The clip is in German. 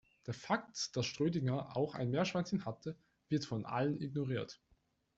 Der Fakt, dass Schrödinger auch ein Meerschweinchen hatte, wird von allen ignoriert.